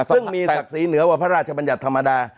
ซึ่งมีศักดิ์ศรีเหนือว่าพระราชบัญญัติธรรมดา